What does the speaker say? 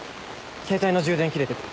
携帯の充電切れてて。